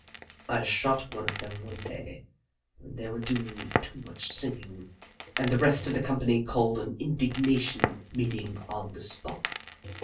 I shot one of them one day, when they were doing too much singing, and the rest of the company called an indignation meeting on the spot.